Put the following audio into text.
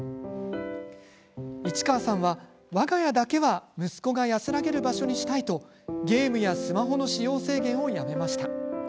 市川さんは、わが家だけは息子が安らげる場所にしたいとゲームやスマホの使用制限をやめました。